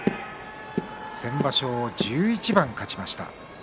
先場所、１１番勝ちました。